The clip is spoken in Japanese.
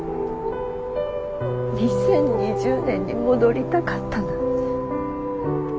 ２０２０年に戻りたかったなんて。